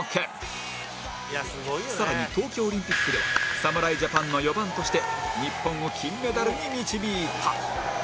更に東京オリンピックでは侍ジャパンの４番として日本を金メダルに導いた